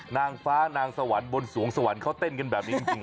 นางฟ้านางสวรรค์บนสวงสวรรค์เขาเต้นกันแบบนี้จริง